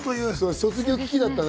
卒業の危機だったね。